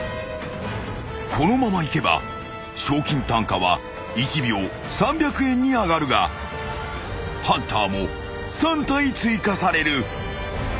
［このままいけば賞金単価は１秒３００円に上がるがハンターも３体追加される］